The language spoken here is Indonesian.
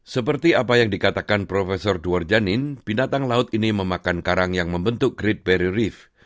seperti apa yang dikatakan prof dwarjanin binatang laut ini memakan karang yang membentuk great barrier reef